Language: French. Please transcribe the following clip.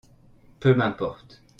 Peu m'importe.